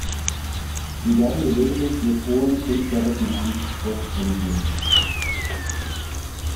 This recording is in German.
Sie werden gelegentlich mit hohem künstlerischen Anspruch renoviert.